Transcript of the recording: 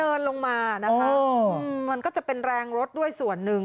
เดินลงมานะคะมันก็จะเป็นแรงรถด้วยส่วนหนึ่ง